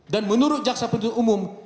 dan menurut jaksa penduduk umum